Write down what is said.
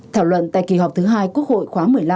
thảo luận tại kỳ họp thứ hai quốc hội khóa một mươi năm